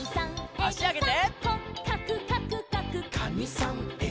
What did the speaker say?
あしあげて。